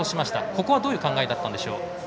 ここはどういう考えだったんでしょう？